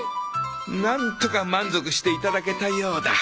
なんとか満足していただけたようだ。